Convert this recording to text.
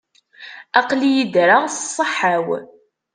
Aql-iyi ddreɣ, s ṣṣeḥḥa-w.